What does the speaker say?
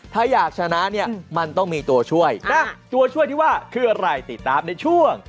ถ้าอยากชนะเนี่ยมันต้องมีตัวช่วยนะตัวช่วยที่ว่าคืออะไรติดตามในช่วง